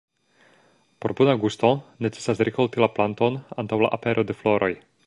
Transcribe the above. Por bona gusto necesas rikolti la planton antaŭ la apero de floroj.